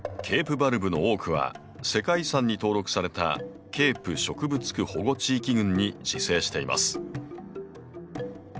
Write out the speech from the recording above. ケープバルブの多くは世界遺産に登録されたケープ植物区保護地域群に自生しています。